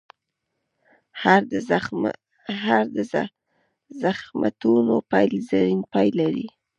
هر د زخمتونو پیل؛ زرین پای لري.